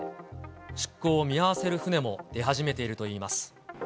出港を見合わせる船も出始めているといいます。